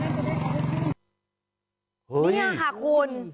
นี่ค่ะคุณ